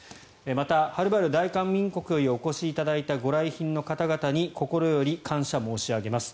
また、はるばる大韓民国よりお越しいただいたご来賓の方々に心より感謝申し上げます。